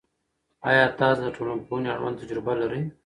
آیا تاسو د ټولنپوهنې اړوند تجربه لرئ؟